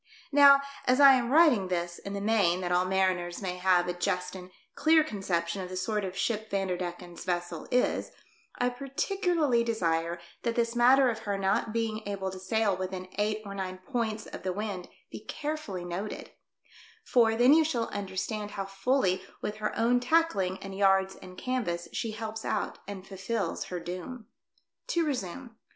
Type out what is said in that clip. Now, as I am writing 150 THE DEATH SHIP. this in the main that all mariners may have a just and clear conception of the sort of ship Vanderdecken's vessel is, I particularly desire that this matter of her not being able to sail within eight or nine points of the wind be carefully noted ; for, then you shall under stand how fully with her own tackling, and yards and canvas, she helps out and fulfils her doom. To resume.